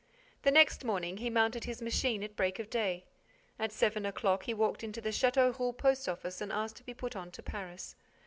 The next morning, he mounted his machine at break of day. At seven o'clock, he walked into the Châteauroux post office and asked to be put on to Paris.